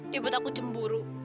dia buat aku cemburu